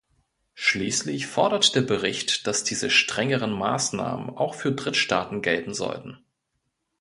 Schließlich fordert der Bericht, dass diese strengeren Maßnahmen auch für Drittstaaten gelten sollten.